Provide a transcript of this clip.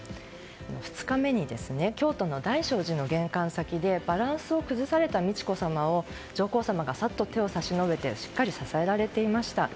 ２日目に京都の大聖寺の玄関先でバランスを崩された美智子さまを上皇さまがさっと手を差し伸べてしっかり支えられていました。